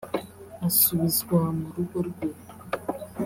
asubizwa mu rugo rwe